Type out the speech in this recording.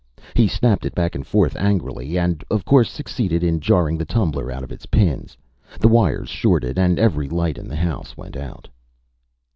He snapped it back and forth angrily and, of course, succeeded in jarring the tumbler out of its pins. The wires shorted and every light in the house went out.